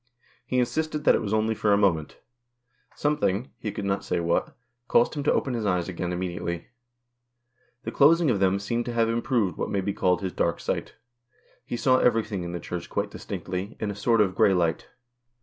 He insisted that it was only for a moment. Something, he could not say what, caused him to open his eyes again immediately. The closing of them seemed to have improved what may be called his dark sight. He saw every thing in the Church quite distinctly, in a sort of grey light.